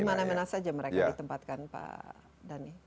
dimana mana saja mereka ditempatkan pak dhani